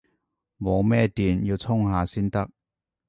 冇乜電，要充下先得